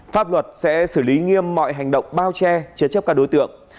pháp luật sẽ xử lý nghiêm mọi hành động bao che chế chấp các đối tượng